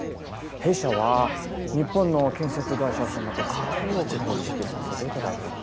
弊社は日本の建設会社様と数多く取り引きさせていただいております。